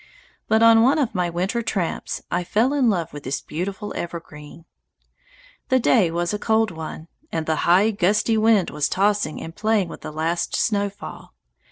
But on one of my winter tramps I fell in love with this beautiful evergreen. The day was a cold one, and the high, gusty wind was tossing and playing with the last snow fall.